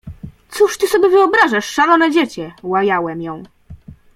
„Cóż ty sobie wyobrażasz, szalone dziecię!” — łajałem ją.